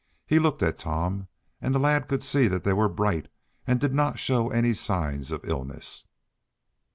He looked at Tom, and the lad could see that they were bright, and did not show any signs of illness.